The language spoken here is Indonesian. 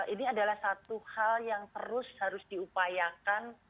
ini adalah satu hal yang terus harus diupayakan